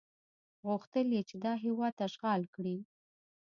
غوښتل یې چې دا هېواد اشغال کړي.